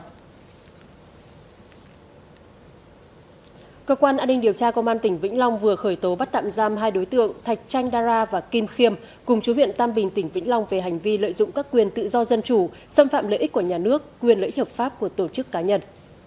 cơ quan an ninh điều tra công an tỉnh vĩnh long vừa khởi tố bắt tạm giam hai đối tượng thạch chanh đara và kim khiêm cùng chủ huyện tam bình tỉnh vĩnh long về hành vi lợi dụng các quyền tự do dân chủ xâm phạm lợi ích của nhà nước quyền lợi ích hợp pháp của tổ chức cá nhân